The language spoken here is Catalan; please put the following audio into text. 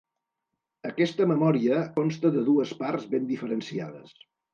Aquesta memòria consta de dues parts ben diferenciades.